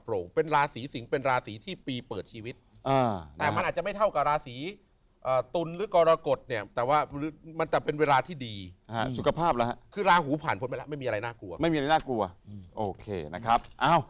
หูผ่านไปแล้วไม่มีอะไรน่ากลัวไม่มีอะไรน่ากลัวโอเคนะครับอ้าว